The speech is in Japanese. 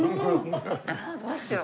ああどうしよう。